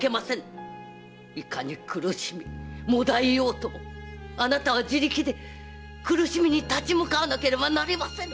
いかに苦しみ悶えようともあなたは自力で苦しみに立ち向かわなければなりませぬ！